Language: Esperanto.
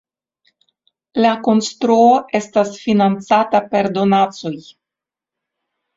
La konstruo estas financata per donacoj.